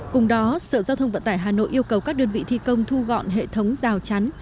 cùng đó sở giao thông vận tải hà nội yêu cầu các đơn vị thi công thu gọn hệ thống rào chắn